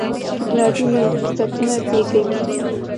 ټیکنالوژي نوي فرصتونه زیږوي.